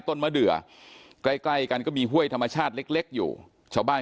ต้นมะเดือใกล้ใกล้กันก็มีห้วยธรรมชาติเล็กอยู่ชาวบ้าน